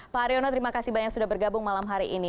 pak haryono terima kasih banyak sudah bergabung malam hari ini